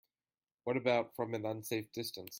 What about from an unsafe distance?